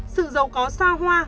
sự giàu có xa hoa